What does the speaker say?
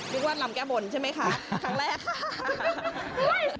ว่าลำแก้บนใช่ไหมคะครั้งแรกค่ะ